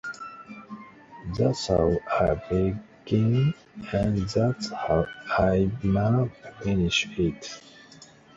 That's how I began, and that's how I'mma finish it!